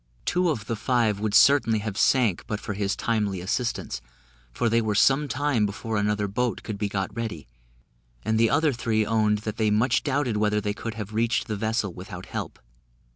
Two of the five would certainly have sank but for his timely assistance, for they were some time before another boat could be got ready; and the other three owned that they much doubted whether they could have reached the vessel without help.